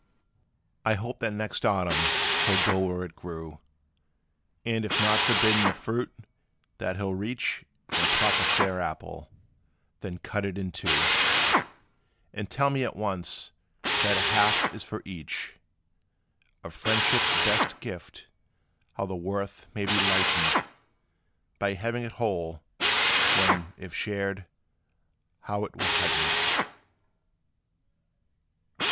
I hope that next autumn he 'll go where it grew, And, if not forbidden the fruit, that he 'll reach And pluck a fair apple, then cut it in two, And tell me at once that a half is for each. Of friendship's best gift how the worth may be lightened By having it whole, when, if shared, how 't were heightened!